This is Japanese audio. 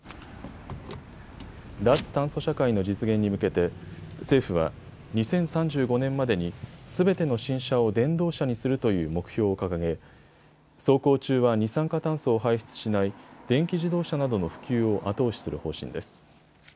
脱炭素社会の実現に向けて政府は２０３５年までにすべての新車を電動車にするという目標を掲げ走行中は二酸化炭素を排出しない電気自動車などの普及を後押しする方針です。